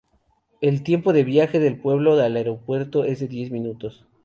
El tiempo de viaje del pueblo al aeropuerto es de diez minutos.